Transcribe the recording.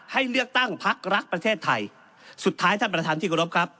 ให้เลือกตั้งพักรักประเทศไทยสุดท้ายท่านประธานที่กรบครับ